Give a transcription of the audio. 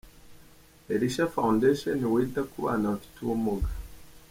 Elisha Foundation wita ku bana bafite ubumuga .